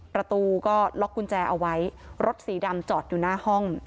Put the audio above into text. ประตูก็ล็อกกุญแจเอาไว้รถสีดำจอดอยู่หน้าห้อง